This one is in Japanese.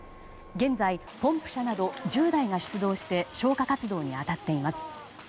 現在、ポンプ車など１０台が出動して消火活動に当たっています。